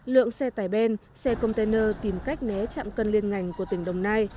lượng xe tải ben xe container tìm cách né chạm cân liên ngành của tỉnh đồng nai